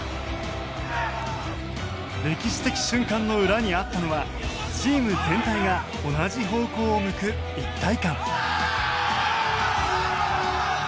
歴史的瞬間の裏にあったのはチーム全体が同じ方向を向く一体感。